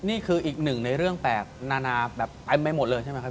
นี่คืออีกหนึ่งในเรื่องแปลกนานาแบบเต็มไปหมดเลยใช่ไหมครับ